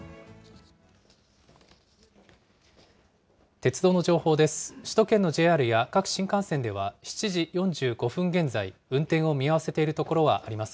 鉄道の情報です。